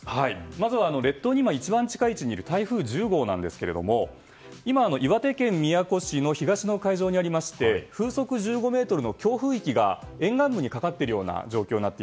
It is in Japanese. まず、列島に今一番近い位置にある台風１０号ですが今、岩手県宮古市の東の海上にありまして風速１５メートルの強風域が沿岸部にかかっている状況です。